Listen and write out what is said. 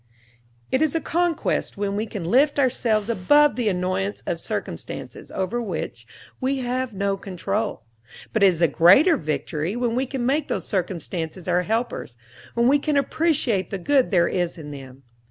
It is a conquest when we can lift ourselves above the annoyances of circumstances over which we have no control; but it is a greater victory when we can make those circumstances our helpers, when we can appreciate the good there is in them.